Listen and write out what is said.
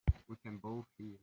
We can both hear.